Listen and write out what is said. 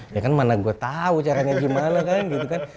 ya kan mana gue tahu caranya gimana kan gitu kan